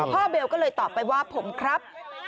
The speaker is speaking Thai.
เบลก็เลยตอบไปว่าผมครับ